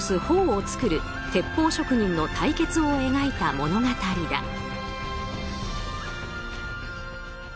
砲を作る鉄砲職人の対決を描いた物語だ。